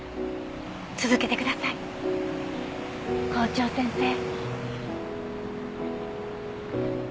続けてください校長先生。